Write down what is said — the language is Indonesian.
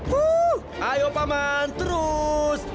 wuh ayo paman terus